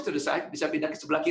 karena saya ingin menunjukkan bangunan